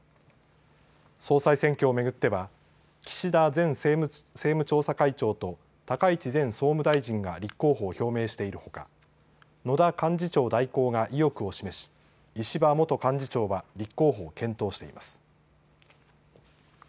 総裁選挙を巡っては岸田前政務調査会長と高市前総務大臣が立候補を表明しているほか野田幹事長代行が意欲を示し、石破元幹事長は立候補を検討しています。